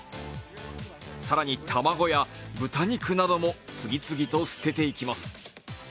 更に、卵や豚肉なども次々に捨てていきます。